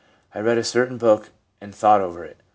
I read a certain book and thought over it.